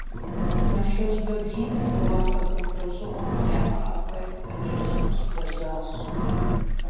Мэшэжь Баблинэ зэуапӏэ зэмылӏэужьыгъуэхэм ягъэӏэпхъуэ я сымаджэщхэм щылэжьащ.